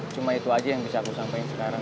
cuma itu aja yang bisa aku sampaikan sekarang